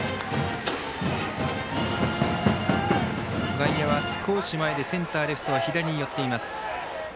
外野は少し前でセンター、レフトは左に寄っています。